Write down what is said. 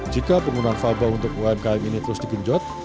jika penggunaan faba untuk umkm ini terus dikejut